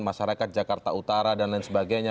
masyarakat jakarta utara dan lain sebagainya